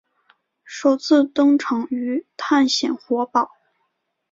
首次登场于探险活宝。